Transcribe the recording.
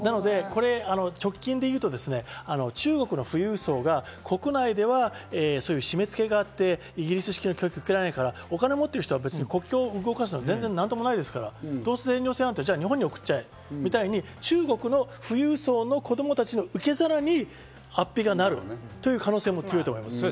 直近でいうと、中国の富裕層が国内ではそういう締め付けがあって、イギリス式の教育を受けられないから、お金を持ってる人は国境を動かすのなんともないですから、日本に送っちゃえみたいに中国の富裕層の子供たちの受け皿に安比がなるという可能性も強いと思います。